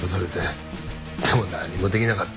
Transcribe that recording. でも何もできなかった。